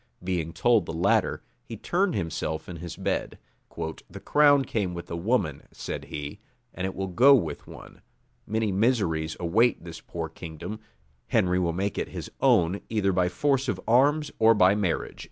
Being told the latter, he turned himself in his bed: "The crown came with a woman," said he, "and it will go with one: many miseries await this poor kingdom: Henry will make it his own either by force of arms or by marriage."